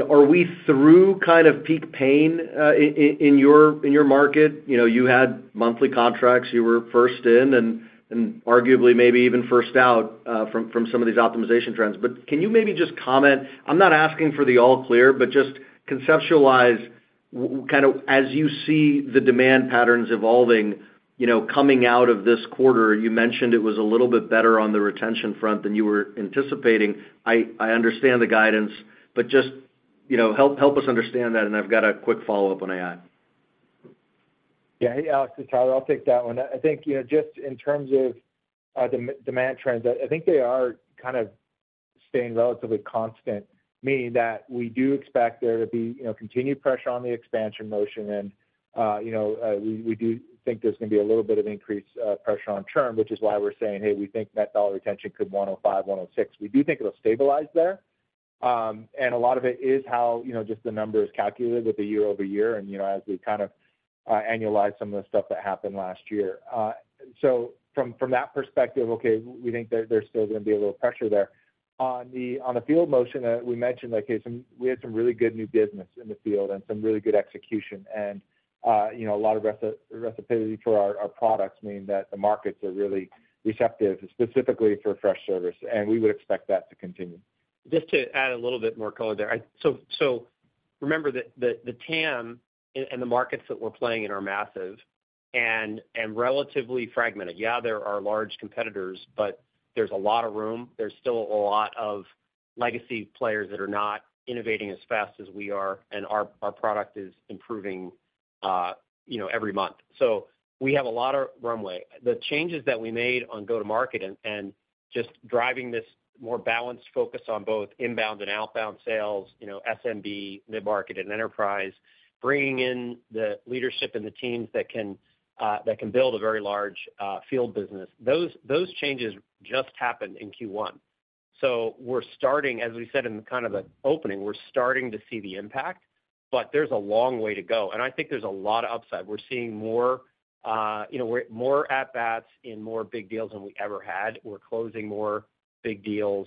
S15: know, are we through kind of peak pain in, in your, in your market? You know, you had monthly contracts. You were first in and, and arguably maybe even first out, from, from some of these optimization trends. Can you maybe just comment? I'm not asking for the all clear, just conceptualize, kind of, as you see the demand patterns evolving, you know, coming out of this quarter, you mentioned it was a little bit better on the retention front than you were anticipating. I, I understand the guidance, but just, you know, help, help us understand that, and I've got a quick follow-up on AI.
S5: Yeah. Hey, Alex, it's Tyler. I'll take that one. I think, you know, just in terms of demand trends, I think they are kind of staying relatively constant, meaning that we do expect there to be, you know, continued pressure on the expansion motion. You know, we, we do think there's going to be a little bit of increased pressure on churn, which is why we're saying, "Hey, we think Net dollar retention could 105%, 106%." We do think it'll stabilize there. A lot of it is how, you know, just the number is calculated with the year-over-year, and, you know, as we kind of annualize some of the stuff that happened last year. From, from that perspective, okay, we think there, there's still going to be a little pressure there. On the, on the field motion, we mentioned, like, okay, we had some really good new business in the field and some really good execution, and, you know, a lot of reciprocity for our, our products, meaning that the markets are really receptive, specifically for Freshservice, and we would expect that to continue.
S4: Just to add a little bit more color there. Remember that, the TAM and the markets that we're playing in are massive and relatively fragmented. There are large competitors, but there's a lot of room. There's still a lot of legacy players that are not innovating as fast as we are, and our product is improving, you know, every month. We have a lot of runway. The changes that we made on go-to-market and just driving this more balanced focus on both inbound and outbound sales, you know, SMB, mid-market, and enterprise, bringing in the leadership and the teams that can build a very large field business. Those, those changes just happened in Q1. We're starting, as we said in kind of the opening, we're starting to see the impact, but there's a long way to go, and I think there's a lot of upside. We're seeing more, you know, we're more at bats in more big deals than we ever had. We're closing more big deals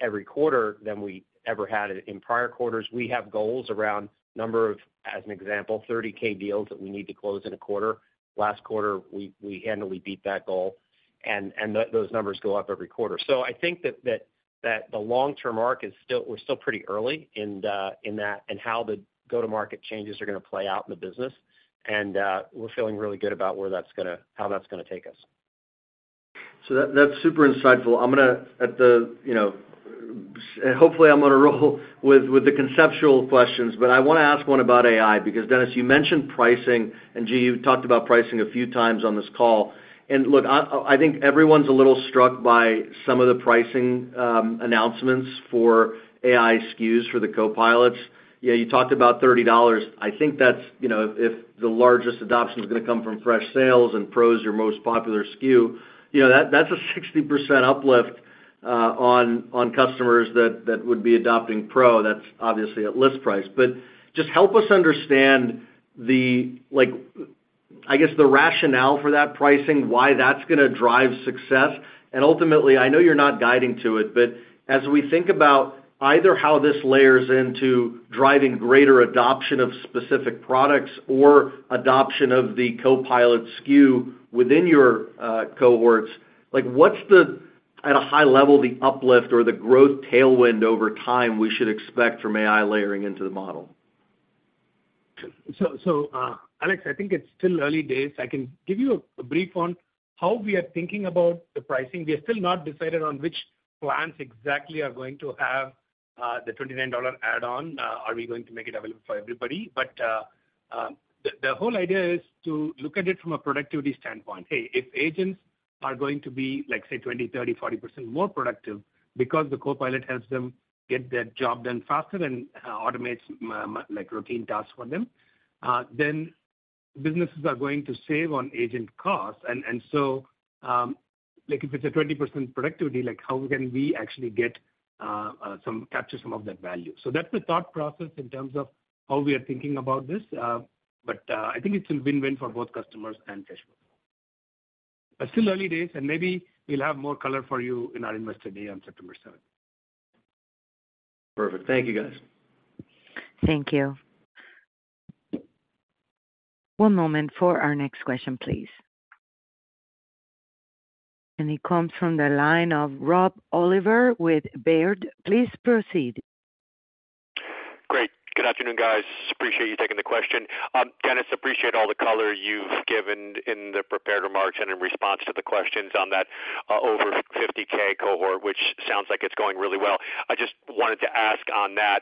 S4: every quarter than we ever had in prior quarters. We have goals around number of, as an example, 30-K deals that we need to close in a quarter. Last quarter, we, we handily beat that goal, and those numbers go up every quarter. I think that, that, that the long-term arc is still... We're still pretty early in the, in that, and how the go-to-market changes are going to play out in the business. We're feeling really good about how that's gonna take us.
S15: That, that's super insightful. I'm gonna, at the, you know, hopefully, I'm gonna roll with, with the conceptual questions, but I want to ask one about AI, because, Dennis, you mentioned pricing, and, G, you've talked about pricing a few times on this call. Look, I, I think everyone's a little struck by some of the pricing announcements for AI SKUs for the copilots. Yeah, you talked about $30. I think that's, you know, if, if the largest adoption is gonna come from Freshsales, and Pro is your most popular SKU, you know, that's a 60% uplift on customers that, that would be adopting Pro. That's obviously at list price. Just help us understand the, like, I guess, the rationale for that pricing, why that's gonna drive success. Ultimately, I know you're not guiding to it, but as we think about either how this layers into driving greater adoption of specific products or adoption of the Copilot SKU within your cohorts, like, what's the, at a high level, the uplift or the growth tailwind over time we should expect from AI layering into the model?
S3: Alex, I think it's still early days. I can give you a brief on how we are thinking about the pricing. We have still not decided on which plans exactly are going to have the $29 add-on. Are we going to make it available for everybody? The whole idea is to look at it from a productivity standpoint. Hey, if agents are going to be, like, say, 20%, 30%, 40% more productive because the copilot helps them get their job done faster and automates like, routine tasks for them, then businesses are going to save on agent costs. If it's a 20% productivity, like, how can we actually get some- capture some of that value? That's the thought process in terms of how we are thinking about this. I think it's a win-win for both customers and Freshworks. It's still early days. Maybe we'll have more color for you in our Investor Day on September 7th.
S15: Perfect. Thank you, guys.
S1: Thank you. One moment for our next question, please. It comes from the line of Rob Oliver with Baird. Please proceed.
S16: Great. Good afternoon, guys. Appreciate you taking the question. Dennis, appreciate all the color you've given in the prepared remarks and in response to the questions on that, over 50-K cohort, which sounds like it's going really well. I just wanted to ask on that,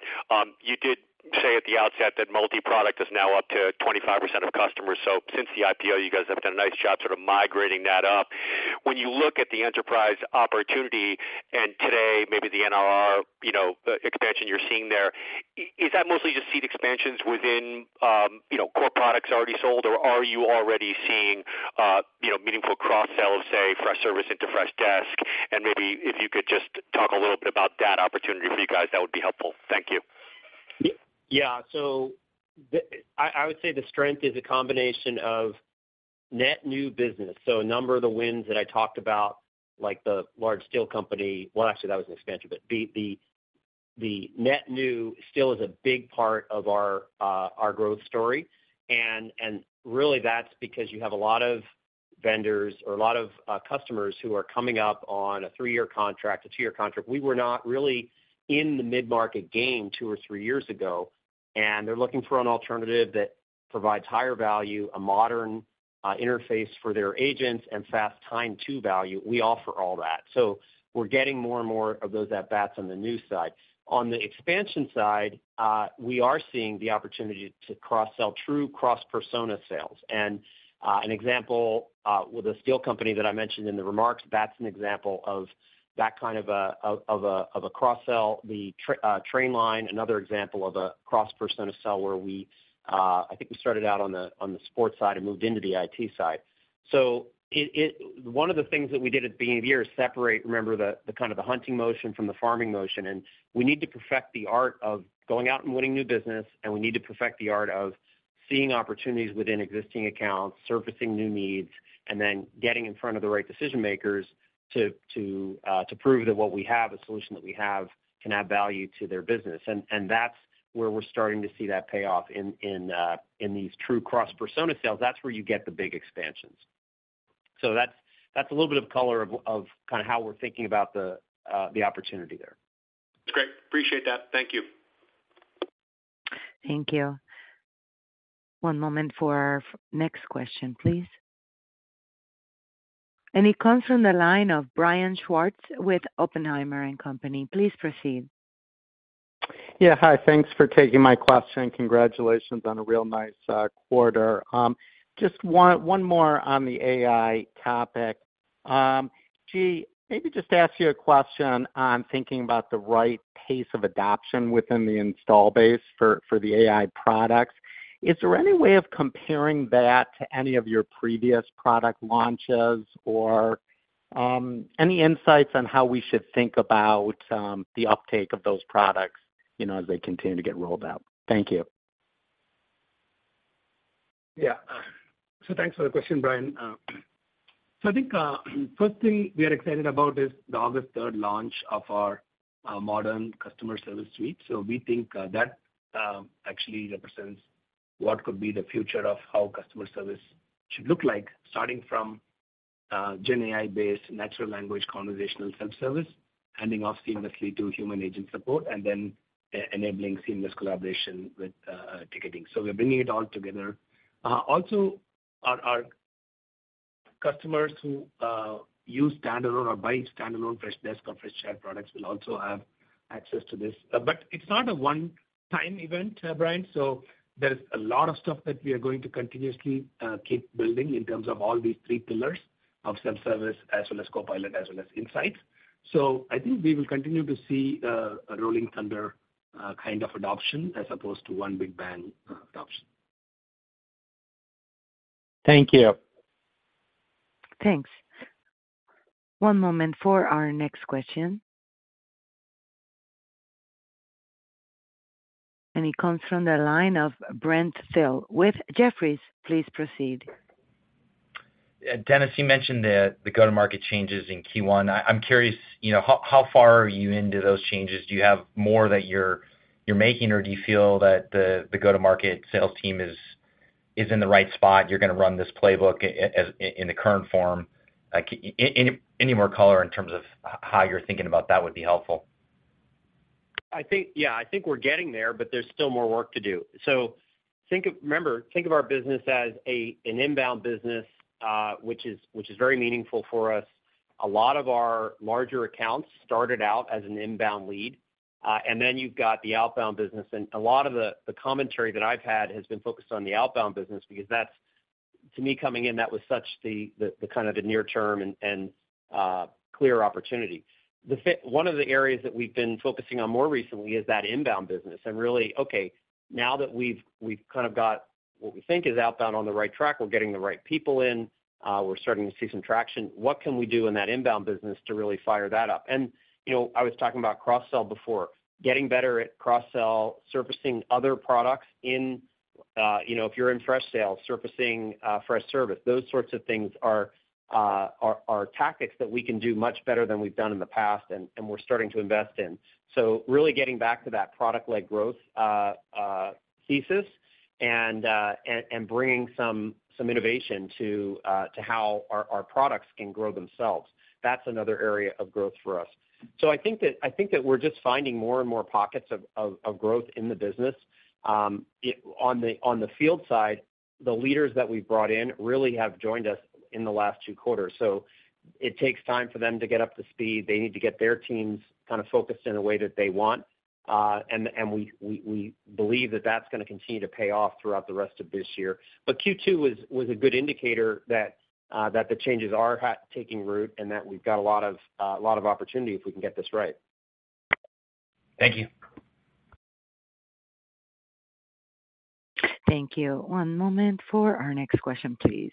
S16: you did say at the outset that multi-product is now up to 25% of customers. Since the IPO, you guys have done a nice job sort of migrating that up. When you look at the enterprise opportunity and today, maybe the NLR, you know, expansion you're seeing there, is that mostly just seed expansions within, you know, core products already sold, or are you already seeing, you know, meaningful cross-sell of, say, Freshservice into Freshdesk? Maybe if you could just talk a little bit about that opportunity for you guys, that would be helpful. Thank you.
S4: Yeah. I, I would say the strength is a combination of net new business. A number of the wins that I talked about, like the large steel company. Well, actually, that was an expansion, but the, the, the net new still is a big part of our growth story. Really that's because you have a lot of vendors or a lot of customers who are coming up on a three-year contract, a two-year contract. We were not really in the mid-market game two or three years ago, and they're looking for an alternative that provides higher value, a modern interface for their agents, and fast time to value. We offer all that. We're getting more and more of those at bats on the new side. On the expansion side, we are seeing the opportunity to cross-sell true cross-persona sales. An example with a steel company that I mentioned in the remarks, that's an example of that kind of a, of, of a, of a cross-sell. Trainline, another example of a cross-persona sell, where we, I think we started out on the, on the sports side and moved into the IT side. It. One of the things that we did at the beginning of the year is separate, remember, the, the kind of the hunting motion from the farming motion, and we need to perfect the art of going out and winning new business, and we need to perfect the art of seeing opportunities within existing accounts, surfacing new needs, and then getting in front of the right decision makers to, to prove that what we have, the solution that we have, can add value to their business. That's where we're starting to see that pay off in, in these true cross-persona sales. That's where you get the big expansions. That's, that's a little bit of color of, of kind of how we're thinking about the opportunity there.
S16: Great. Appreciate that. Thank you.
S1: Thank you. One moment for our next question, please. It comes from the line of Brian Schwartz with Oppenheimer & Company. Please proceed.
S17: Yeah, hi. Thanks for taking my question, and congratulations on a real nice quarter. Just one, one more on the AI topic. G, maybe just ask you a question on thinking about the right pace of adoption within the install base for, for the AI products. Is there any way of comparing that to any of your previous product launches? Or any insights on how we should think about the uptake of those products, you know, as they continue to get rolled out? Thank you.
S3: Yeah. Thanks for the question, Brian. I think, first thing we are excited about is the August 3rd launch of our modern Freshworks Customer Service Suite. We think that actually represents what could be the future of how customer service should look like, starting from GenAI-based, natural language, conversational self-service, handing off seamlessly to human agent support, and then e-enabling seamless collaboration with ticketing. We're bringing it all together. Also, our customers who use standalone or buy standalone Freshdesk or Freshchat products will also have access to this. It's not a one-time event, Brian, so there's a lot of stuff that we are going to continuously keep building in terms of all these three pillars of self-service, as well as Copilot, as well as Insights. I think we will continue to see a rolling thunder kind of adoption, as opposed to one big bang adoption.
S17: Thank you.
S1: Thanks. One moment for our next question. It comes from the line of Brent Thill with Jefferies. Please proceed.
S18: Dennis, you mentioned the go-to-market changes in Q1. I'm curious, you know, how far are you into those changes? Do you have more that you're making, or do you feel that the go-to-market sales team is in the right spot, you're gonna run this playbook as in the current form? Like, any more color in terms of how you're thinking about that would be helpful.
S4: I think, yeah, I think we're getting there, but there's still more work to do. Think of -- remember, think of our business as a, an inbound business, which is, which is very meaningful for us. A lot of our larger accounts started out as an inbound lead, and then you've got the outbound business, and a lot of the, the commentary that I've had has been focused on the outbound business, because that's, to me, coming in, that was such the, the, the kind of the near term and, and, clear opportunity. The one of the areas that we've been focusing on more recently is that inbound business, and really, okay, now that we've, we've kind of got what we think is outbound on the right track, we're getting the right people in, we're starting to see some traction, what can we do in that inbound business to really fire that up? You know, I was talking about cross-sell before. Getting better at cross-sell, surfacing other products in, you know, if you're in Freshsales, surfacing Freshservice, those sorts of things are, are tactics that we can do much better than we've done in the past and, and we're starting to invest in. Really getting back to that product-led growth thesis, and, and bringing some, some innovation to how our, our products can grow themselves. That's another area of growth for us. I think that, I think that we're just finding more and more pockets of, of, of growth in the business. It, on the, on the field side, the leaders that we've brought in really have joined us in the last 2 quarters, so it takes time for them to get up to speed. They need to get their teams kind of focused in a way that they want. We, we, we believe that that's gonna continue to pay off throughout the rest of this year. Q2 was, was a good indicator that the changes are taking root, and that we've got a lot of opportunity if we can get this right.
S18: Thank you.
S1: Thank you. One moment for our next question, please.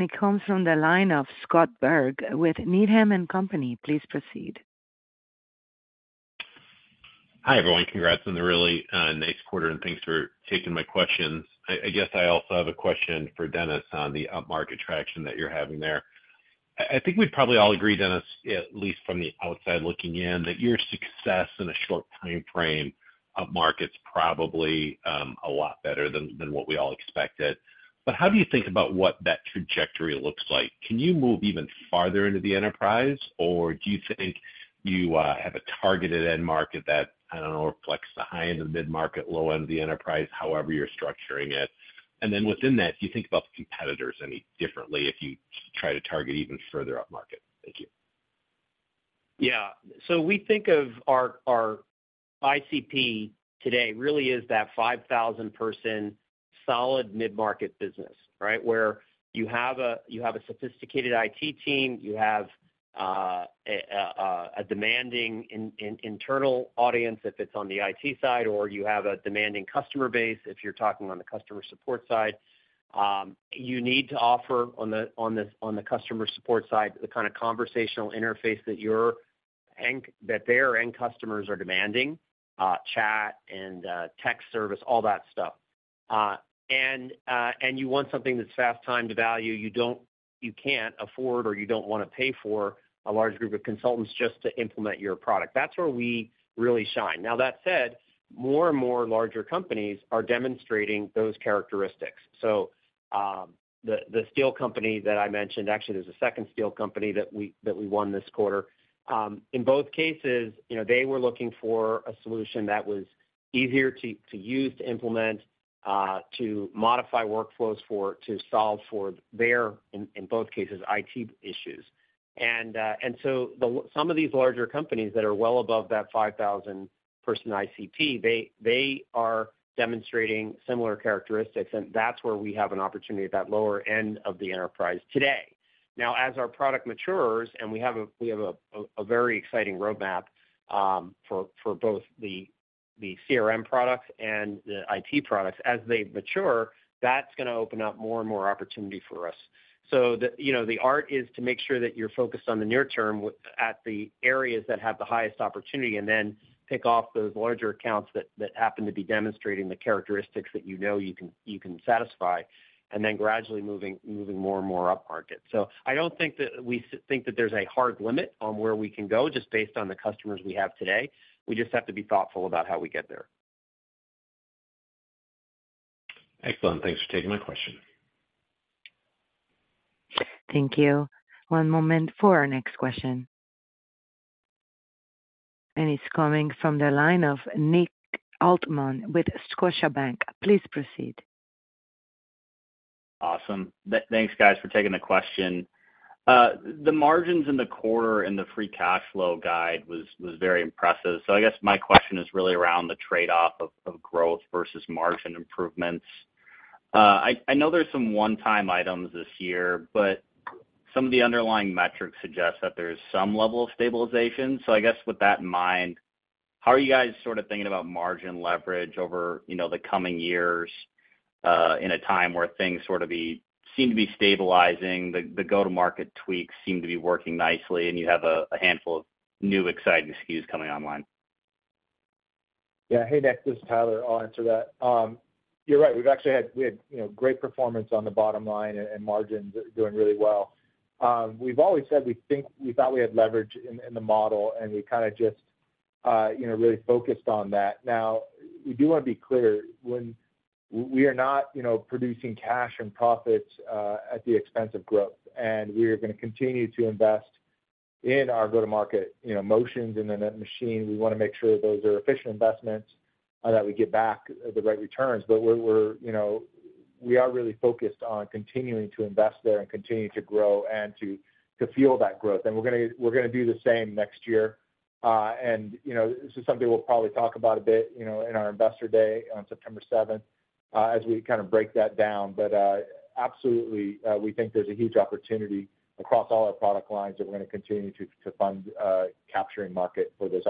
S1: It comes from the line of Scott Berg with Needham & Company. Please proceed.
S19: Hi, everyone. Congrats on the really nice quarter, and thanks for taking my questions. I, I guess I also have a question for Dennis on the upmarket traction that you're having there. I, I think we probably all agree, Dennis, at least from the outside looking in, that your success in a short time frame of market's probably a lot better than, than what we all expected. How do you think about what that trajectory looks like? Can you move even farther into the enterprise, or do you think you have a targeted end market that, I don't know, reflects the high end of mid-market, low end of the enterprise, however you're structuring it? Then within that, do you think about the competitors any differently if you try to target even further up market? Thank you.
S4: Yeah. We think of our, our ICP today really is that 5,000 person, solid mid-market business, right? Where you have a, you have a sophisticated IT team, you have a demanding internal audience, if it's on the IT side, or you have a demanding customer base, if you're talking on the customer support side. You need to offer on the, on the, on the customer support side, the kind of conversational interface that your end, that their end customers are demanding, chat and text service, all that stuff. You want something that's fast time to value. You don't you can't afford, or you don't wanna pay for a large group of consultants just to implement your product. That's where we really shine. Now, that said, more and more larger companies are demonstrating those characteristics. The steel company that I mentioned, actually, there's a second steel company that we won this quarter. In both cases, you know, they were looking for a solution that was easier to use, to implement, to modify workflows for, to solve for their IT issues. Some of these larger companies that are well above that 5,000 person ICP, they are demonstrating similar characteristics, and that's where we have an opportunity at that lower end of the enterprise today. As our product matures, and we have a very exciting roadmap for both the CRM products and the IT products. As they mature, that's gonna open up more and more opportunity for us. The, you know, the art is to make sure that you're focused on the near term at the areas that have the highest opportunity, and then pick off those larger accounts that, that happen to be demonstrating the characteristics that you know you can, you can satisfy, and then gradually moving, moving more and more up market. We think that there's a hard limit on where we can go, just based on the customers we have today. We just have to be thoughtful about how we get there.
S19: Excellent. Thanks for taking my question.
S1: Thank you. One moment for our next question. It's coming from the line of Nick Altmann with Scotiabank. Please proceed.
S20: Awesome. Thanks, guys, for taking the question. The margins in the quarter and the free cash flow guide was, was very impressive. I guess my question is really around the trade-off of, of growth versus margin improvements. I, I know there's some one-time items this year, but some of the underlying metrics suggest that there is some level of stabilization. I guess with that in mind, how are you guys sort of thinking about margin leverage over, you know, the coming years, in a time where things sort of seem to be stabilizing, the, the go-to-market tweaks seem to be working nicely, and you have a, a handful of new exciting SKUs coming online?
S5: Yeah. Hey, Nick, this is Tyler. I'll answer that. You're right. We've actually had, you know, great performance on the bottom line, and margins are doing really well. We've always said we thought we had leverage in the model, and we kind of just, you know, really focused on that. We do want to be clear, when we are not, you know, producing cash and profits at the expense of growth, and we are gonna continue to invest in our go-to-market, you know, motions and the net machine. We wanna make sure those are efficient investments that we get back the right returns. We're, you know, we are really focused on continuing to invest there and continuing to grow and to, to fuel that growth. We're gonna, we're gonna do the same next year. You know, this is something we'll probably talk about a bit, you know, in our Investor Day on September 7th, as we kind of break that down. Absolutely, we think there's a huge opportunity across all our product lines that we're gonna continue to, to fund, capturing market for this-